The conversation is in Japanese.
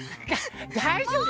大丈夫。